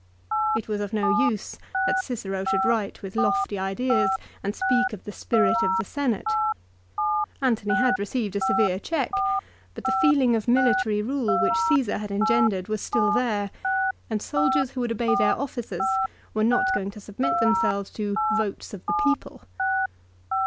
It was of no use that Cicero should write with lofty ideas and speak of the spirit of the Senate. Antony had received a severe check, but the feeling of military rule which Csesar had engendered was still there, and soldiers who would obey their officers were not going to submit themselves to "votes of the people."